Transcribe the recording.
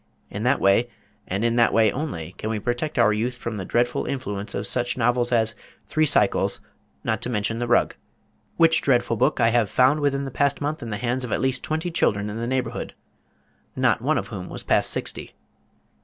In that way, and in that way only can we protect our youth from the dreadful influence of such novels as 'Three Cycles, Not To Mention The Rug,' which dreadful book I have found within the past month in the hands of at least twenty children in the neighborhood, not one of whom was past sixty."